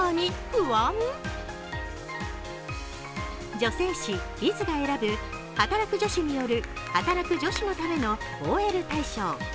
女性誌「Ｗｉｔｈ」が選ぶ働く女子による働く女子のためのＯＬ大賞。